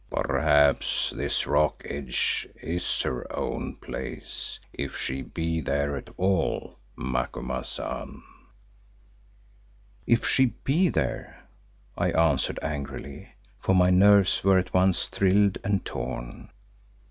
"Perhaps this rock edge is her own place, if she be there at all, Macumazahn." "If she be there," I answered angrily, for my nerves were at once thrilled and torn.